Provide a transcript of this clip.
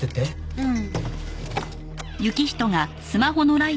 うん。